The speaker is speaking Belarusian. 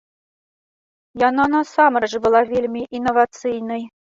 Яна насамрэч была вельмі інавацыйнай.